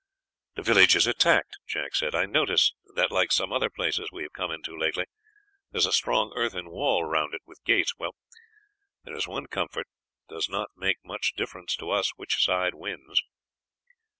"The village is attacked," Jack said. "I noticed that, like some other places we have come into lately, there is a strong earthen wall round it, with gates. Well, there is one comfort it does not make much difference to us which side wins."